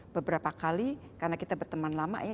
beberapa kali karena kita berteman lama ya